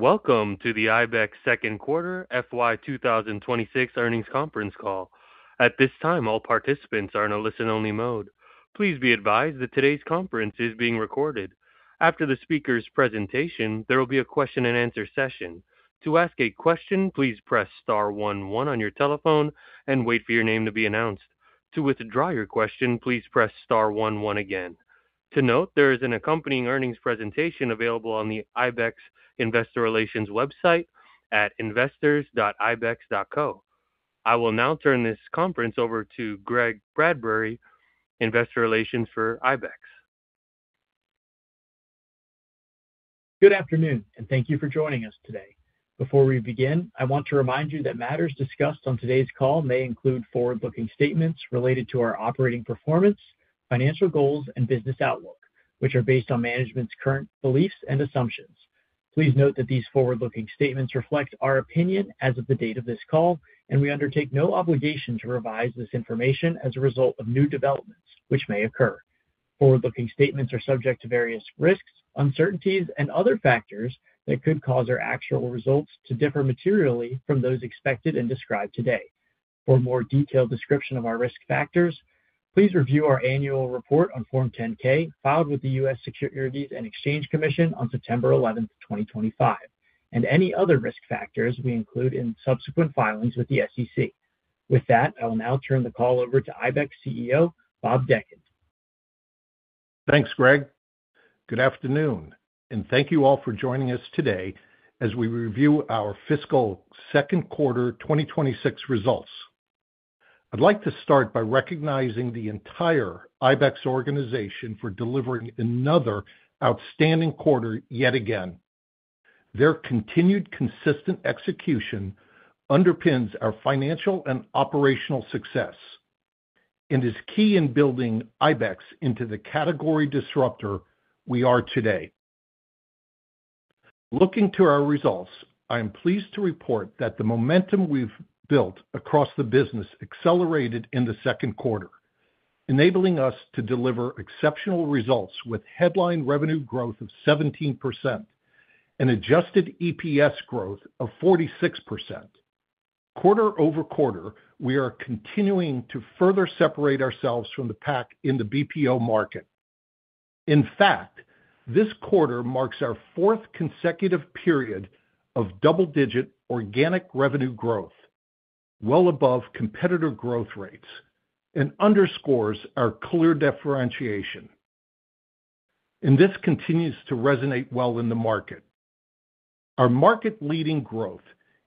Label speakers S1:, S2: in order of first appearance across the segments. S1: Welcome to the ibex second quarter FY 2026 earnings conference call. At this time, all participants are in a listen-only mode. Please be advised that today's conference is being recorded. After the speaker's presentation, there will be a question-and-answer session. To ask a question, please press star one one on your telephone and wait for your name to be announced. To withdraw your question, please press star one one again. To note, there is an accompanying earnings presentation available on the ibex Investor Relations website at investors.ibex.co. I will now turn this conference over to Greg Bradbury, Investor Relations for ibex.
S2: Good afternoon, and thank you for joining us today. Before we begin, I want to remind you that matters discussed on today's call may include forward-looking statements related to our operating performance, financial goals, and business outlook, which are based on management's current beliefs and assumptions. Please note that these forward-looking statements reflect our opinion as of the date of this call, and we undertake no obligation to revise this information as a result of new developments which may occur. Forward-looking statements are subject to various risks, uncertainties, and other factors that could cause our actual results to differ materially from those expected and described today. For a more detailed description of our risk factors, please review our annual report on Form 10-K, filed with the U.S. Securities and Exchange Commission on September 11, 2025, and any other risk factors we include in subsequent filings with the SEC. With that, I will now turn the call over to ibex CEO, Bob Dechant.
S3: Thanks, Greg. Good afternoon, and thank you all for joining us today as we review our fiscal second quarter 2026 results. I'd like to start by recognizing the entire ibex organization for delivering another outstanding quarter yet again. Their continued consistent execution underpins our financial and operational success and is key in building ibex into the category disruptor we are today. Looking to our results, I am pleased to report that the momentum we've built across the business accelerated in the second quarter, enabling us to deliver exceptional results with headline revenue growth of 17% and adjusted EPS growth of 46%. Quarter-over-quarter, we are continuing to further separate ourselves from the pack in the BPO market. In fact, this quarter marks our fourth consecutive period of double-digit organic revenue growth, well above competitor growth rates, and underscores our clear differentiation, and this continues to resonate well in the market. Our market-leading growth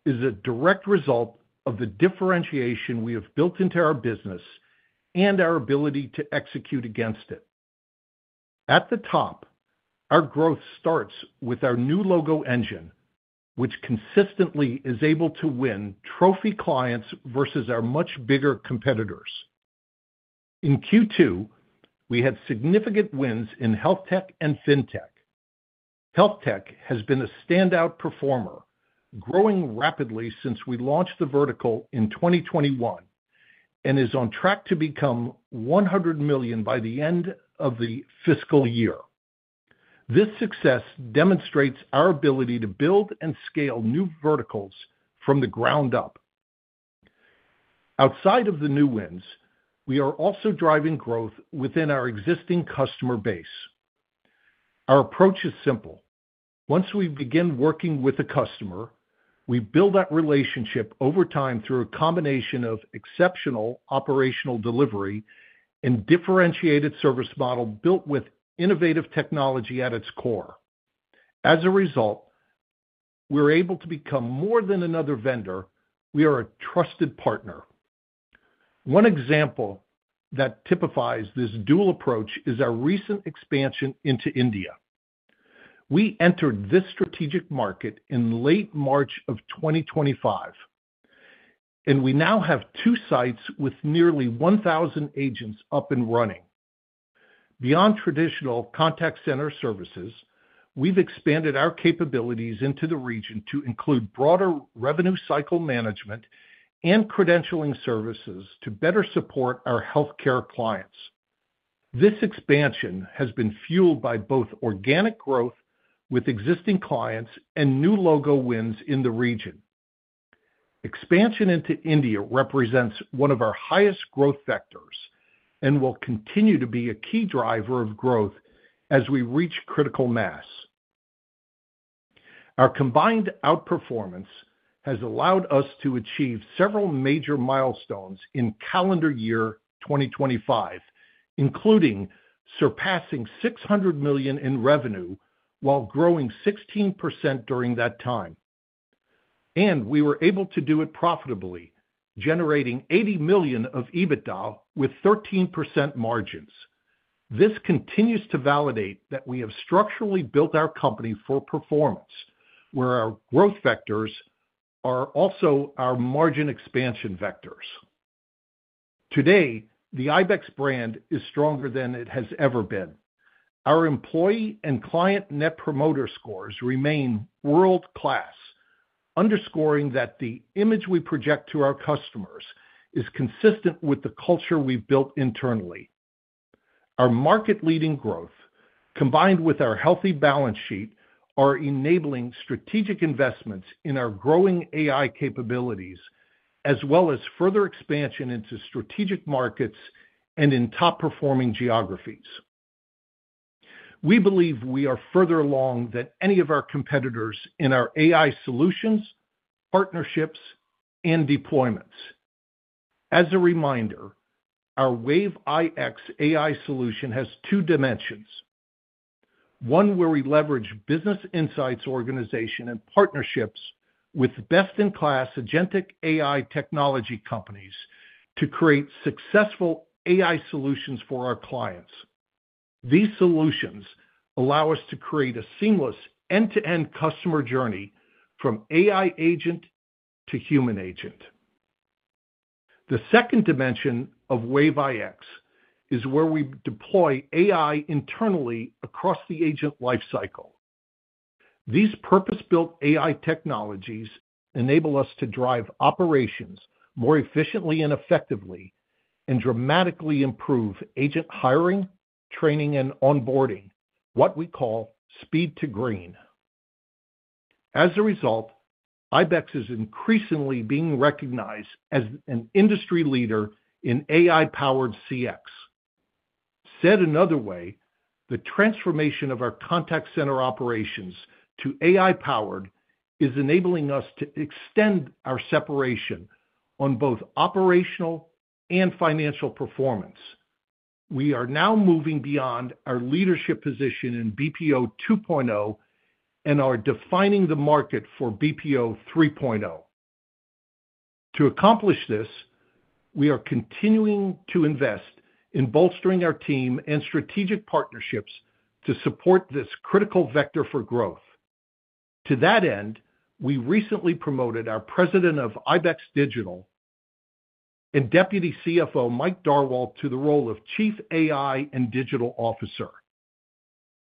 S3: is a direct result of the differentiation we have built into our business and our ability to execute against it. At the top, our growth starts with our new logo engine, which consistently is able to win trophy clients versus our much bigger competitors. In Q2, we had significant wins in health tech and fintech. Health tech has been a standout performer, growing rapidly since we launched the vertical in 2021, and is on track to become $100 million by the end of the fiscal year. This success demonstrates our ability to build and scale new verticals from the ground up. Outside of the new wins, we are also driving growth within our existing customer base. Our approach is simple: Once we begin working with a customer, we build that relationship over time through a combination of exceptional operational delivery and differentiated service model built with innovative technology at its core. As a result, we're able to become more than another vendor. We are a trusted partner. One example that typifies this dual approach is our recent expansion into India. We entered this strategic market in late March of 2025, and we now have two sites with nearly 1,000 agents up and running. Beyond traditional contact center services, we've expanded our capabilities into the region to include broader revenue cycle management and credentialing services to better support our healthcare clients. This expansion has been fueled by both organic growth with existing clients and new logo wins in the region. Expansion into India represents one of our highest growth vectors and will continue to be a key driver of growth as we reach critical mass. Our combined outperformance has allowed us to achieve several major milestones in calendar year 2025, including surpassing $600 million in revenue while growing 16% during that time. We were able to do it profitably, generating $80 million of EBITDA with 13% margins. This continues to validate that we have structurally built our company for performance, where our growth vectors are also our margin expansion vectors. Today, the ibex brand is stronger than it has ever been. Our employee and client Net Promoter Scores remain world-class, underscoring that the image we project to our customers is consistent with the culture we've built internally. Our market-leading growth, combined with our healthy balance sheet, are enabling strategic investments in our growing AI capabilities, as well as further expansion into strategic markets and in top-performing geographies. We believe we are further along than any of our competitors in our AI solutions, partnerships, and deployments. As a reminder, our Wave iX AI solution has two dimensions: one, where we leverage business insights, organization, and partnerships with best-in-class agentic AI technology companies to create successful AI solutions for our clients. These solutions allow us to create a seamless end-to-end customer journey from AI agent to human agent. The second dimension of Wave iX is where we deploy AI internally across the agent life cycle. These purpose-built AI technologies enable us to drive operations more efficiently and effectively and dramatically improve agent hiring, training, and onboarding, what we call speed to green. As a result, ibex is increasingly being recognized as an industry leader in AI-powered CX. Said another way, the transformation of our contact center operations to AI-powered is enabling us to extend our separation on both operational and financial performance. We are now moving beyond our leadership position in BPO 2.0 and are defining the market for BPO 3.0. To accomplish this, we are continuing to invest in bolstering our team and strategic partnerships to support this critical vector for growth. To that end, we recently promoted our President of ibex Digital and Deputy CFO, Mike Darwal, to the role of Chief AI and Digital Officer.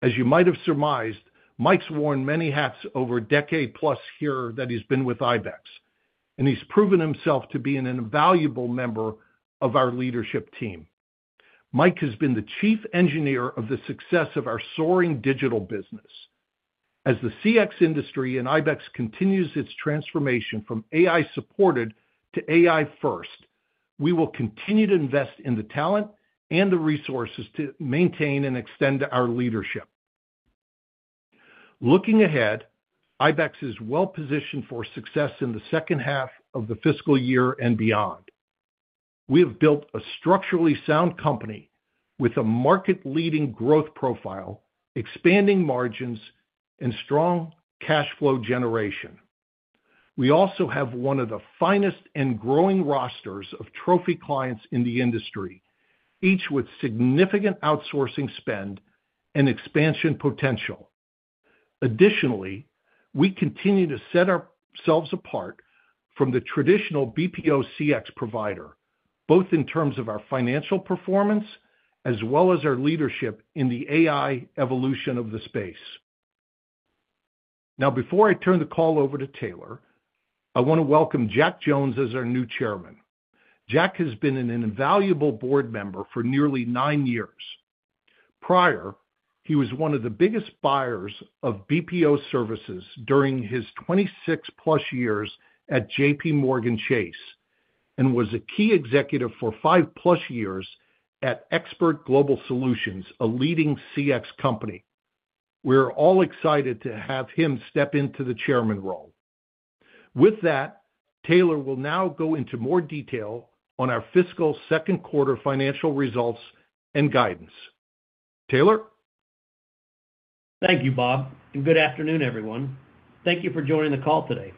S3: As you might have surmised, Mike's worn many hats over a decade plus here that he's been with ibex, and he's proven himself to be an invaluable member of our leadership team. Mike has been the Chief Engineer of the success of our soaring digital business. As the CX industry and ibex continues its transformation from AI-supported to AI first, we will continue to invest in the talent and the resources to maintain and extend our leadership. Looking ahead, ibex is well positioned for success in the second half of the fiscal year and beyond. We have built a structurally sound company with a market-leading growth profile, expanding margins, and strong cash flow generation. We also have one of the finest and growing rosters of trophy clients in the industry, each with significant outsourcing spend and expansion potential. Additionally, we continue to set ourselves apart from the traditional BPO CX provider, both in terms of our financial performance as well as our leadership in the AI evolution of the space. Now, before I turn the call over to Taylor, I want to welcome Jack Jones as our new Chairman. Jack has been an invaluable board member for nearly nine years. Prior, he was one of the biggest buyers of BPO services during his 26+ years at JPMorgan Chase and was a key executive for 5+ years at Expert Global Solutions, a leading CX company. We're all excited to have him step into the chairman role. With that, Taylor will now go into more detail on our fiscal second quarter financial results and guidance. Taylor?
S4: Thank you, Bob, and good afternoon, everyone. Thank you for joining the call today.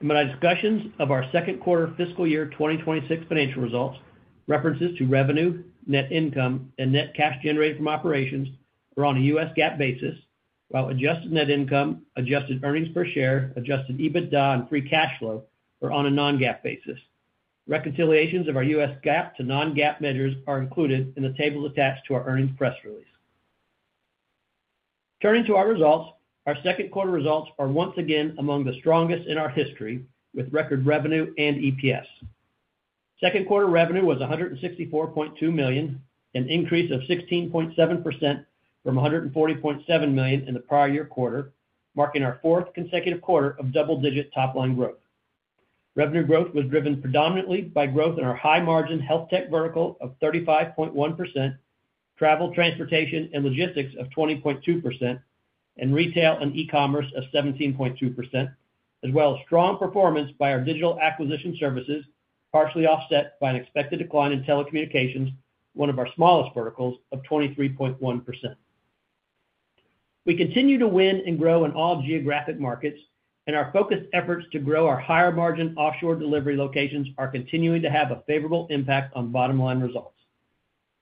S4: In my discussions of our second quarter fiscal year 2026 financial results, references to revenue, net income, and net cash generated from operations are on a U.S. GAAP basis, while adjusted net income, adjusted earnings per share, adjusted EBITDA, and free cash flow are on a non-GAAP basis. Reconciliations of our U.S. GAAP to non-GAAP measures are included in the table attached to our earnings press release. Turning to our results, our second quarter results are once again among the strongest in our history, with record revenue and EPS. Second quarter revenue was $164.2 million, an increase of 16.7% from $140.7 million in the prior year quarter, marking our fourth consecutive quarter of double-digit top-line growth. Revenue growth was driven predominantly by growth in our high-margin health tech vertical of 35.1%, travel, transportation, and logistics of 20.2%, and retail and e-commerce of 17.2%, as well as strong performance by our digital acquisition services, partially offset by an expected decline in telecommunications, one of our smallest verticals of 23.1%. We continue to win and grow in all geographic markets, and our focused efforts to grow our higher-margin offshore delivery locations are continuing to have a favorable impact on bottom-line results.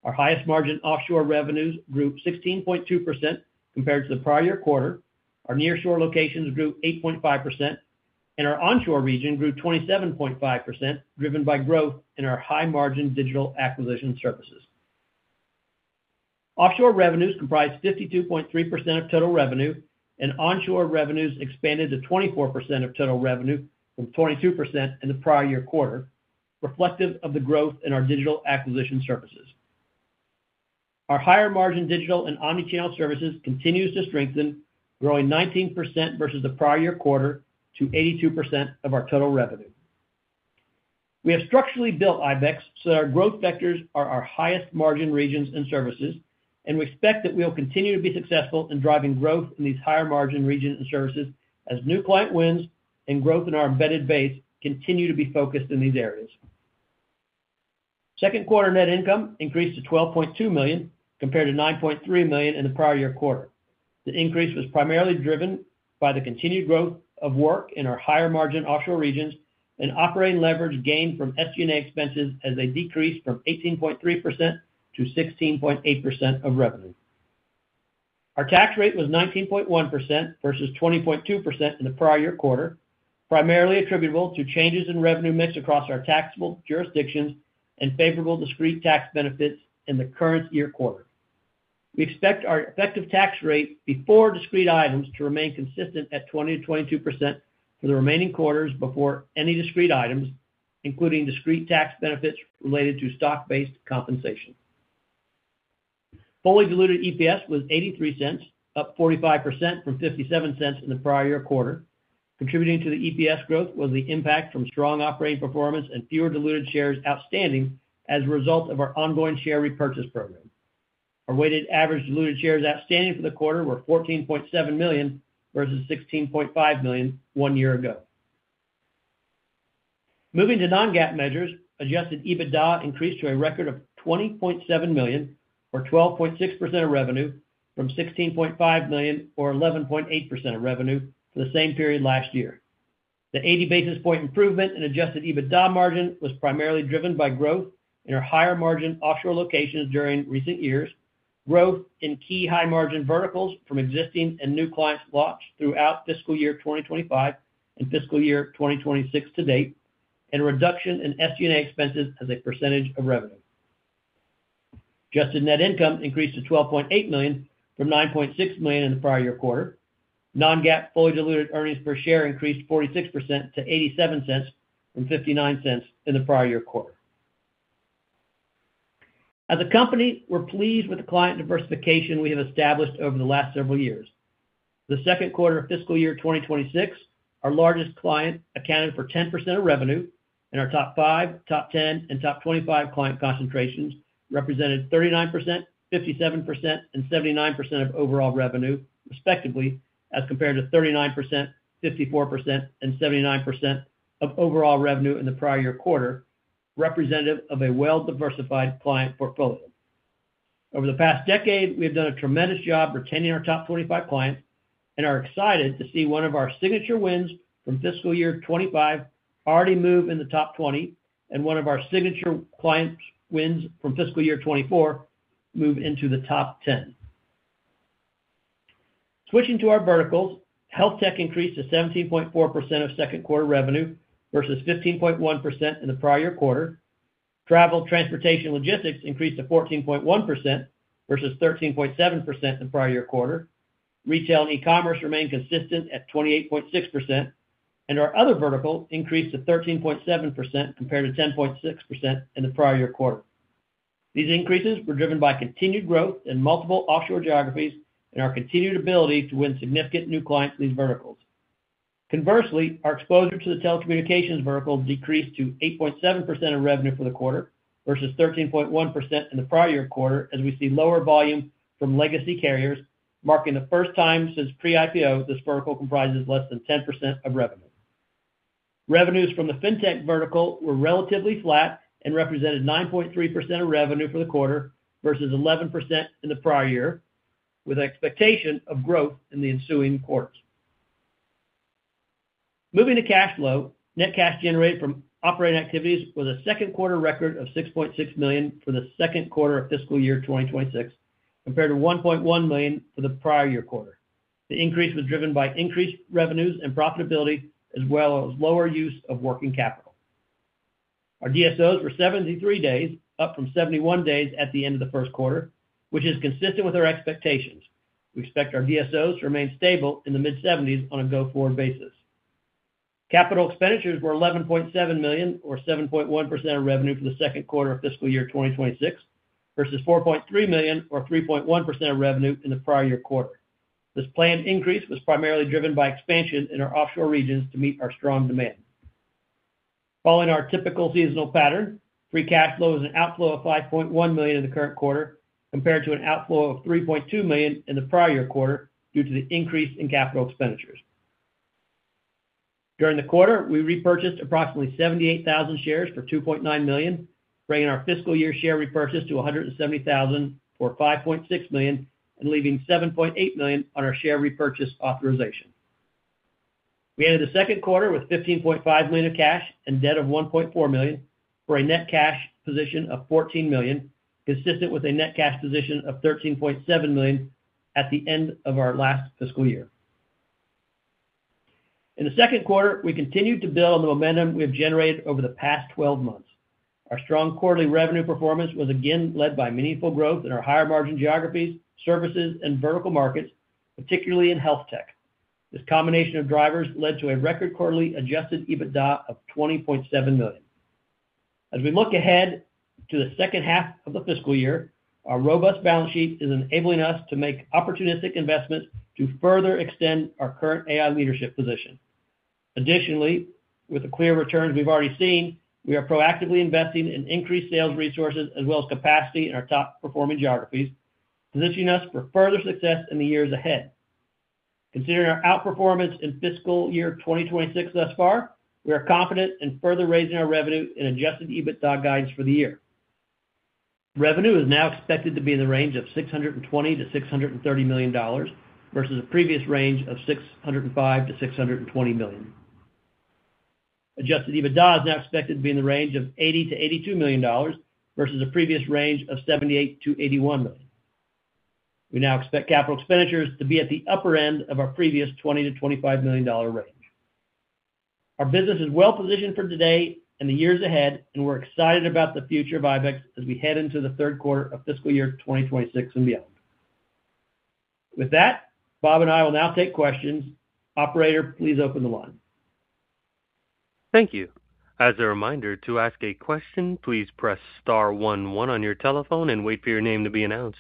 S4: Our highest margin offshore revenues grew 16.2% compared to the prior year quarter. Our nearshore locations grew 8.5%, and our onshore region grew 27.5%, driven by growth in our high-margin digital acquisition services. Offshore revenues comprised 52.3% of total revenue. Onshore revenues expanded to 24% of total revenue from 22% in the prior year quarter, reflective of the growth in our digital acquisition services. Our higher margin digital and omnichannel services continues to strengthen, growing 19% versus the prior year quarter to 82% of our total revenue. We have structurally built ibex so that our growth vectors are our highest margin regions and services, and we expect that we'll continue to be successful in driving growth in these higher margin regions and services as new client wins and growth in our embedded base continue to be focused in these areas. Second quarter net income increased to $12.2 million, compared to $9.3 million in the prior year quarter. The increase was primarily driven by the continued growth of work in our higher margin offshore regions and operating leverage gained from SG&A expenses as they decreased from 18.3% to 16.8% of revenue. Our tax rate was 19.1% versus 20.2% in the prior year quarter, primarily attributable to changes in revenue mix across our taxable jurisdictions and favorable discrete tax benefits in the current year quarter. We expect our effective tax rate before discrete items to remain consistent at 20%-22% for the remaining quarters before any discrete items, including discrete tax benefits related to stock-based compensation. Fully diluted EPS was $0.83, up 45% from $0.57 in the prior year quarter. Contributing to the EPS growth was the impact from strong operating performance and fewer diluted shares outstanding as a result of our ongoing share repurchase program. Our weighted average diluted shares outstanding for the quarter were 14.7 million, versus 16.5 million one year ago. Moving to non-GAAP measures, adjusted EBITDA increased to a record of 20.7 million, or 12.6% of revenue, from 16.5 million, or 11.8% of revenue, for the same period last year. The 80 basis points improvement in adjusted EBITDA margin was primarily driven by growth in our higher-margin offshore locations during recent years, growth in key high-margin verticals from existing and new clients launched throughout fiscal year 2025 and fiscal year 2026 to date, and a reduction in SG&A expenses as a percentage of revenue. Adjusted net income increased to $12.8 million from $9.6 million in the prior year quarter. Non-GAAP fully diluted earnings per share increased 46% to $0.87 from $0.59 in the prior year quarter. As a company, we're pleased with the client diversification we have established over the last several years. The second quarter of fiscal year 2026, our largest client accounted for 10% of revenue, and our top five, top ten, and top twenty-five client concentrations represented 39%, 57%, and 79% of overall revenue, respectively, as compared to 39%, 54%, and 79% of overall revenue in the prior year quarter, representative of a well-diversified client portfolio. Over the past decade, we have done a tremendous job retaining our top 25 clients and are excited to see one of our signature wins from fiscal year 2025 already move in the top 20, and one of our signature client wins from fiscal year 2024 move into the top 10. Switching to our verticals, health tech increased to 17.4% of second quarter revenue versus 15.1% in the prior year quarter. Travel, transportation, and logistics increased to 14.1% versus 13.7% in the prior year quarter. Retail and e-commerce remained consistent at 28.6%, and our other vertical increased to 13.7% compared to 10.6% in the prior year quarter. These increases were driven by continued growth in multiple offshore geographies and our continued ability to win significant new clients in these verticals. Conversely, our exposure to the telecommunications vertical decreased to 8.7% of revenue for the quarter versus 13.1% in the prior year quarter, as we see lower volume from legacy carriers, marking the first time since pre-IPO this vertical comprises less than 10% of revenue. Revenues from the fintech vertical were relatively flat and represented 9.3% of revenue for the quarter versus 11% in the prior year, with expectation of growth in the ensuing quarters. Moving to cash flow, net cash generated from operating activities was a second quarter record of $6.6 million for the second quarter of fiscal year 2026, compared to $1.1 million for the prior year quarter. The increase was driven by increased revenues and profitability, as well as lower use of working capital. Our DSOs were 73 days, up from 71 days at the end of the first quarter, which is consistent with our expectations. We expect our DSOs to remain stable in the mid-70s on a go-forward basis. Capital expenditures were $11.7 million, or 7.1% of revenue for the second quarter of fiscal year 2026, versus $4.3 million, or 3.1% of revenue in the prior year quarter. This planned increase was primarily driven by expansion in our offshore regions to meet our strong demand. Following our typical seasonal pattern, free cash flow was an outflow of $5.1 million in the current quarter, compared to an outflow of $3.2 million in the prior year quarter, due to the increase in capital expenditures. During the quarter, we repurchased approximately 78,000 shares for $2.9 million, bringing our fiscal year share repurchase to 170,000 for $5.6 million, and leaving $7.8 million on our share repurchase authorization. We ended the second quarter with $15.5 million of cash and debt of $1.4 million, for a net cash position of $14 million, consistent with a net cash position of $13.7 million at the end of our last fiscal year. In the second quarter, we continued to build on the momentum we have generated over the past 12 months. Our strong quarterly revenue performance was again led by meaningful growth in our higher-margin geographies, services, and vertical markets, particularly in health tech. This combination of drivers led to a record quarterly adjusted EBITDA of $20.7 million. As we look ahead to the second half of the fiscal year, our robust balance sheet is enabling us to make opportunistic investments to further extend our current AI leadership position. Additionally, with the clear returns we've already seen, we are proactively investing in increased sales resources as well as capacity in our top-performing geographies, positioning us for further success in the years ahead. Considering our outperformance in fiscal year 2026 thus far, we are confident in further raising our revenue and adjusted EBITDA guidance for the year. Revenue is now expected to be in the range of $620 million-$630 million versus a previous range of $605 million-$620 million. Adjusted EBITDA is now expected to be in the range of $80 million-$82 million versus a previous range of $78 million-$81 million. We now expect capital expenditures to be at the upper end of our previous $20 million-$25 million range. Our business is well positioned for today and the years ahead, and we're excited about the future of ibex as we head into the third quarter of fiscal year 2026 and beyond. With that, Bob and I will now take questions. Operator, please open the line.
S1: Thank you. As a reminder, to ask a question, please press star one one on your telephone and wait for your name to be announced.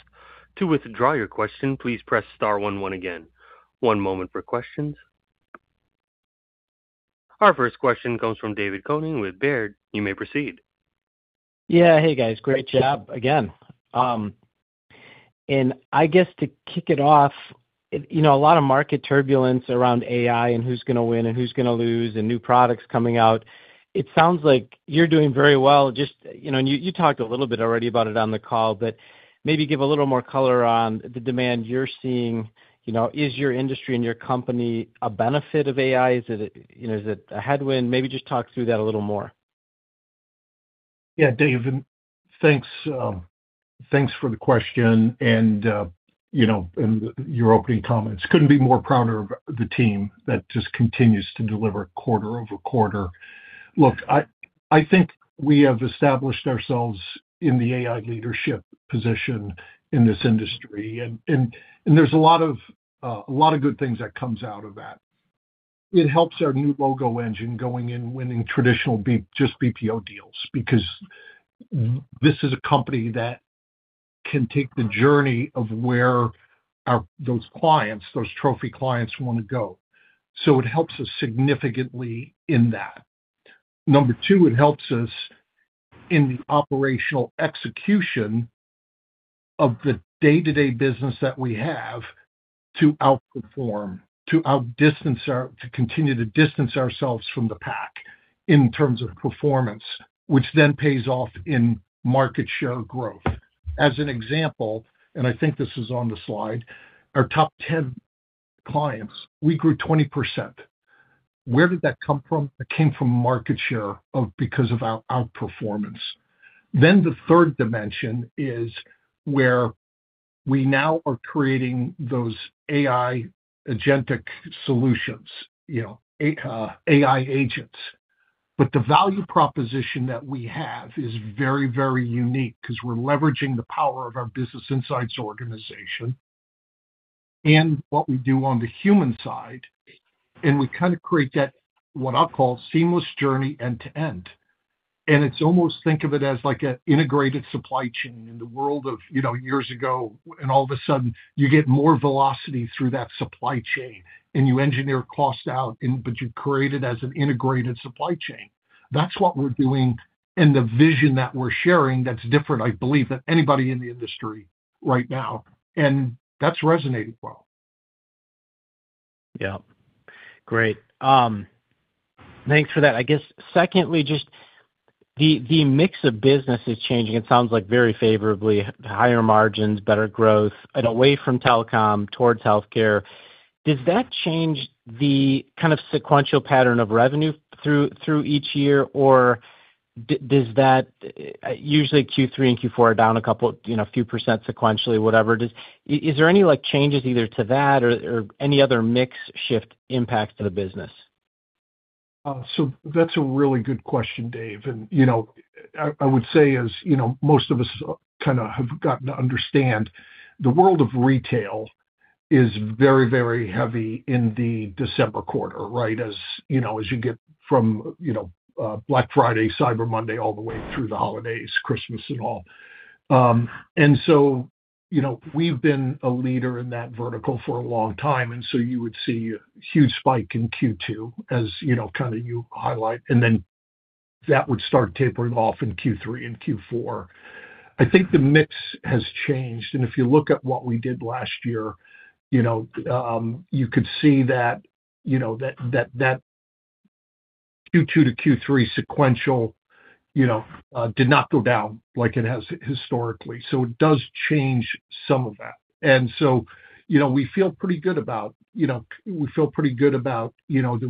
S1: To withdraw your question, please press star one one again. One moment for questions. Our first question comes from David Koning with Baird. You may proceed.
S5: Yeah. Hey, guys. Great job again. I guess to kick it off, you know, a lot of market turbulence around AI and who's gonna win and who's gonna lose and new products coming out. It sounds like you're doing very well. Just, you know, and you talked a little bit already about it on the call, but maybe give a little more color on the demand you're seeing. You know, is your industry and your company a benefit of AI? Is it, you know, is it a headwind? Maybe just talk through that a little more.
S3: Yeah, David, thanks, thanks for the question and, you know, and your opening comments. Couldn't be more prouder of the team that just continues to deliver quarter over quarter. Look, I think we have established ourselves in the AI leadership position in this industry, and there's a lot of, a lot of good things that comes out of that. It helps our new logo engine going in, winning traditional just BPO deals, because this is a company that can take the journey of where our, those clients, those trophy clients, want to go. So it helps us significantly in that. Number two, it helps us in the operational execution of the day-to-day business that we have to outperform, to outdistance our, to continue to distance ourselves from the pack in terms of performance, which then pays off in market share growth. As an example, and I think this is on the slide, our top ten clients, we grew 20%. Where did that come from? It came from market share of because of our outperformance. Then the third dimension is where we now are creating those AI agentic solutions, you know, AI agents. But the value proposition that we have is very, very unique because we're leveraging the power of our business insights organization and what we do on the human side, and we kinda create that, what I'll call, seamless journey end to end. And it's almost think of it as like an integrated supply chain in the world of, you know, years ago, and all of a sudden you get more velocity through that supply chain, and you engineer cost out, and but you create it as an integrated supply chain. That's what we're doing and the vision that we're sharing that's different, I believe, than anybody in the industry right now, and that's resonating well.
S5: Yeah. Great. Thanks for that. I guess, secondly, just the mix of business is changing. It sounds like very favorably, higher margins, better growth and away from telecom towards healthcare. Does that change the kind of sequential pattern of revenue through each year? Or does that, usually Q3 and Q4 are down a couple, you know, a few percent sequentially, whatever. Is there any, like, changes either to that or any other mix shift impacts to the business?
S3: So that's a really good question, Dave. And, you know, I would say as, you know, most of us kinda have gotten to understand, the world of retail is very, very heavy in the December quarter, right? As, you know, as you get from, you know, Black Friday, Cyber Monday, all the way through the holidays, Christmas and all. And so, you know, we've been a leader in that vertical for a long time, and so you would see a huge spike in Q2, as, you know, kinda you highlight, and then that would start tapering off in Q3 and Q4. I think the mix has changed, and if you look at what we did last year, you know, you could see that, you know, that Q2 to Q3 sequential, you know, did not go down like it has historically. So it does change some of that. And so, you know, we feel pretty good about, you know, we feel pretty good about, you know,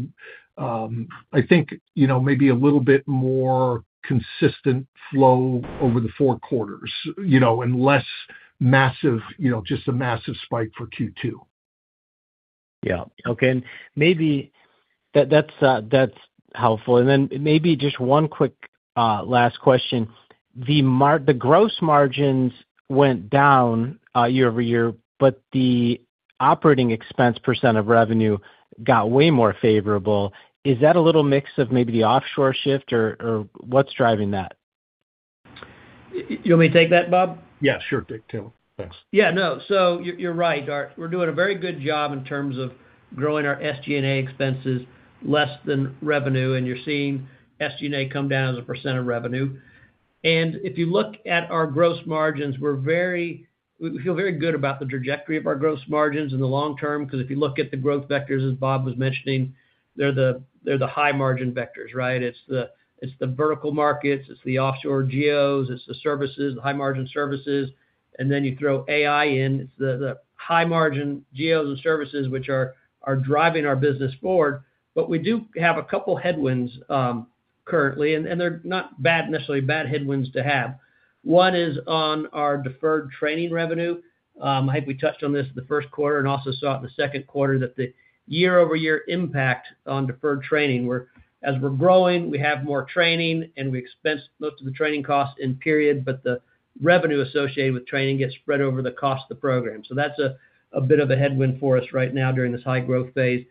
S3: I think, you know, maybe a little bit more consistent flow over the four quarters, you know, and less massive, you know, just a massive spike for Q2.
S5: Yeah. Okay. And maybe that, that's helpful. And then maybe just one quick last question. The gross margins went down year-over-year, but the operating expense percent of revenue got way more favorable. Is that a little mix of maybe the offshore shift, or what's driving that?
S4: You want me to take that, Bob?
S3: Yeah, sure, take Tay. Thanks.
S4: Yeah, no. So you're, you're right. We're doing a very good job in terms of growing our SG&A expenses less than revenue, and you're seeing SG&A come down as a % of revenue. And if you look at our gross margins, we're very-- we feel very good about the trajectory of our gross margins in the long term, 'cause if you look at the growth vectors, as Bob was mentioning, they're the, they're the high margin vectors, right? It's the, it's the vertical markets, it's the offshore geos, it's the services, the high-margin services, and then you throw AI in. It's the, the high-margin geos and services which are, are driving our business forward. But we do have a couple headwinds, currently, and, and they're not bad, necessarily bad headwinds to have. One is on our deferred training revenue. I think we touched on this in the first quarter and also saw it in the second quarter, that the year-over-year impact on deferred training, whereas we're growing, we have more training, and we expense most of the training costs in period, but the revenue associated with training gets spread over the course of the program. So that's a bit of a headwind for us right now during this high-growth phase.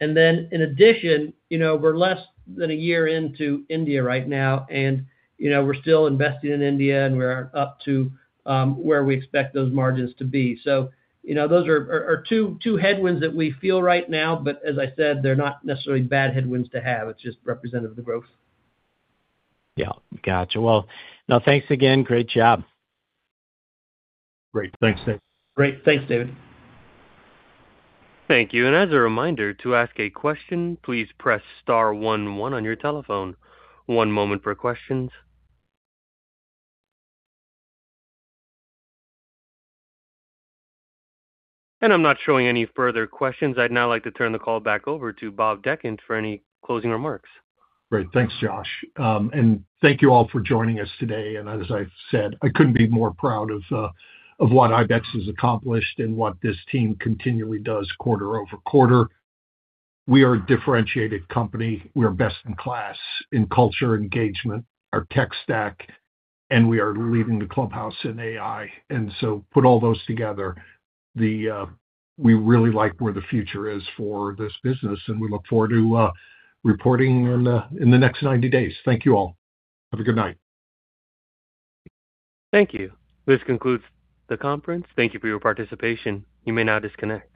S4: And then, in addition, you know, we're less than a year into India right now, and, you know, we're still investing in India, and we're up to where we expect those margins to be. So, you know, those are two headwinds that we feel right now, but as I said, they're not necessarily bad headwinds to have. It's just representative of the growth.
S5: Yeah. Gotcha. Well, now, thanks again. Great job.
S3: Great. Thanks, Dave.
S4: Great. Thanks, David.
S1: Thank you. As a reminder, to ask a question, please press star one, one on your telephone. One moment for questions. I'm not showing any further questions. I'd now like to turn the call back over to Bob Dechant for any closing remarks.
S3: Great. Thanks, Josh. And thank you all for joining us today. As I've said, I couldn't be more proud of what ibex has accomplished and what this team continually does quarter over quarter. We are a differentiated company. We are best-in-class in culture, engagement, our tech stack, and we are leading the clubhouse in AI. So put all those together, we really like where the future is for this business, and we look forward to reporting on in the next 90 days. Thank you all. Have a good night.
S1: Thank you. This concludes the conference. Thank you for your participation. You may now disconnect.